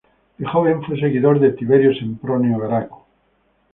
De joven fue seguidor de Tiberio Sempronio Graco.